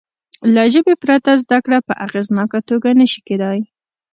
له ژبې پرته زده کړه په اغېزناکه توګه نه شي کېدای.